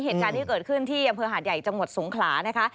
เหตุการณ์ที่เกิดขึ้นที่อำเภอหาดใหญ่จังหวัดสงขลานะคะ